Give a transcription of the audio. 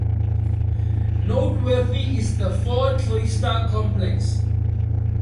Noteworthy is the four cloister complex.